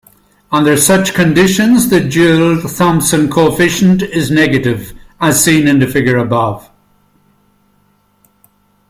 Under such conditions, the Joule-Thomson coefficient is negative, as seen in the figure above.